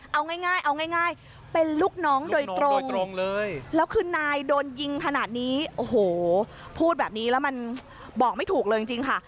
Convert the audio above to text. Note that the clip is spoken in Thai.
เอาง่ายเอาง่ายเป็นลูกน้องโดยตรงเลยแล้วคือนายโดนยิงขนาดนี้โอ้โหพูดแบบนี้แล้วมันบอกไม่ถูกเลยจริงค่ะ